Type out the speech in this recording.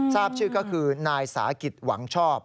ทราบชื่อก็คือนายสาหกิจหวังชอบ